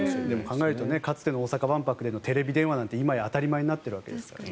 考えると、かつての大阪万博でのテレビ電話なんて今や当たり前になっているわけですからね。